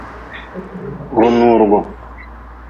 Runuurgu.